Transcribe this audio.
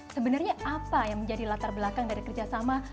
sebenarnya apa yang menjadi latar belakang dari kerjasama